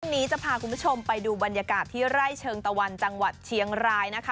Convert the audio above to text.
วันนี้จะพาคุณผู้ชมไปดูบรรยากาศที่ไร่เชิงตะวันจังหวัดเชียงรายนะคะ